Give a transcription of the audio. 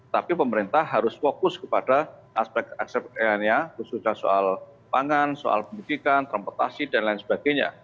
tapi pemerintah harus fokus kepada aspek aspek lainnya khususnya soal pangan soal pendidikan transportasi dan lain sebagainya